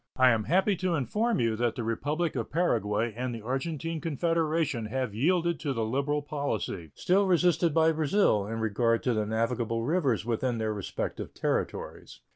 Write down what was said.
I am happy to inform you that the Republic of Paraguay and the Argentine Confederation have yielded to the liberal policy still resisted by Brazil in regard to the navigable rivers within their respective territories.